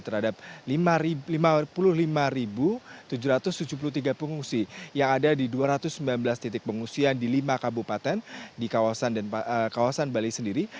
terhadap lima puluh lima tujuh ratus tujuh puluh tiga pengungsi yang ada di dua ratus sembilan belas titik pengungsian di lima kabupaten di kawasan bali sendiri